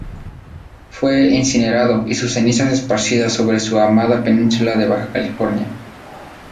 Fue incinerado, y sus cenizas esparcidas sobre su amada península de Baja California.